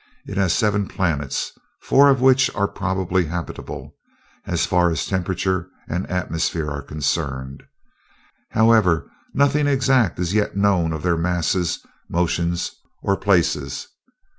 It has seven planets, four of which are probably habitable, as far as temperature and atmosphere are concerned. However, nothing exact is yet known of their masses, motions, or places.